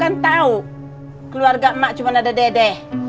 kamu kan tahu keluarga emak cuma ada dedek